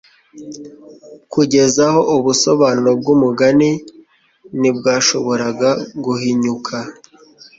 Kugeza aho, ubusobanuro bw’umugani ntibwashoboraga guhinyuka ;